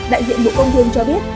đại diện bộ công thương cho biết